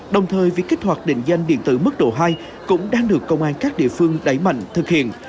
đồng thời việc kích hoạt định danh điện tử mức độ hai cũng đang được công an các địa phương đẩy mạnh thực hiện